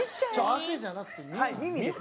汗じゃなくて耳なの？